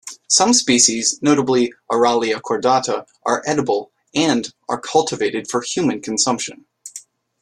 Some species, notably "Aralia cordata", are edible and are cultivated for human consumption.